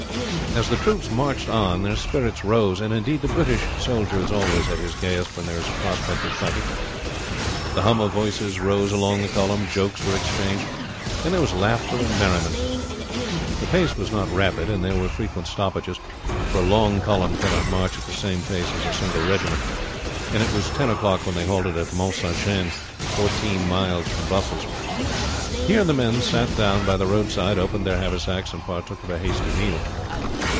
As the troops marched on their spirits rose and indeed the British soldier is always at his gayest when there is a prospect of fighting the hum of voices rose along the column, jokes were exchanged, and there was laughter and merriment. The pace was not rapid, and there were frequent stoppages, for a long column cannot march at the same pace as a single regiment; and it was ten o'clock when they halted at Mount St. Jean, fourteen miles from Brussels. Here the men sat down by the roadside, opened their haversacks, and partook of a hasty meal.